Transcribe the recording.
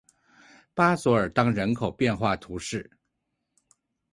巴佐尔当人口变化图示